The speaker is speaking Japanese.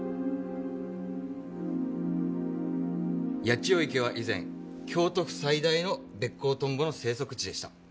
八千代池は以前京都府最大のベッコウトンボの生息地でした。